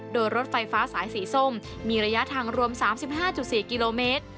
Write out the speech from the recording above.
โดยรถไฟฟ้าสายสีส้มมีระยะทางรวม๓๕๔กิโลเมตร